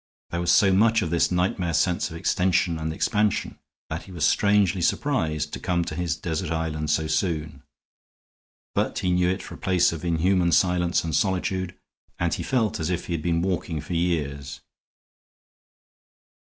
There was so much of this nightmare sense of extension and expansion that he was strangely surprised to come to his desert island so soon. But he knew it for a place of inhuman silence and solitude; and he felt as if he had been walking for years.